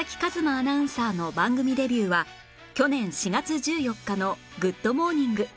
アナウンサーの番組デビューは去年４月１４日の『グッド！モーニング』